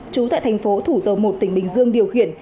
trú tại thành phố thủ dầu một tỉnh bình dương điều khiển